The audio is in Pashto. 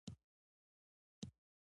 د نکې ولسوالۍ غرنۍ ده